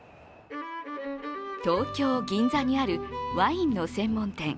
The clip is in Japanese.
東京・銀座にあるワインの専門店